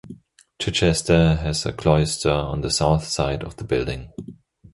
Chichester has a cloister on the south side of the building.